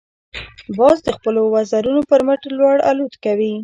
باز د خپلو وزرونو پر مټ لوړ الوت کوي